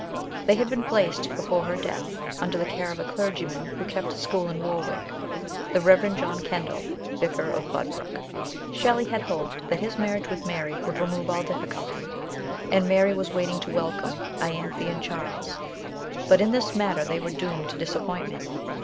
They had been placed, before her death, under the care of a clergyman who kept a school in Warwick, the Rev. John Kendall, vicar of Budbrooke. Shelley had hoped that his mar riage with Mary would remove all difficulty, and Mary was waiting to welcome lanthe and Charles ; but in this matter they were doomed to disappointment.